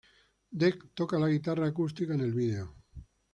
Dec toca la guitarra acústica en el vídeo.